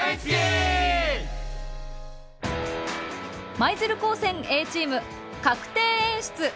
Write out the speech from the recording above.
舞鶴高専Ａチーム「鶴定演出」。